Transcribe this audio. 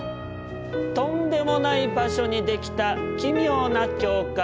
とんでもない場所に出来た奇妙な教会。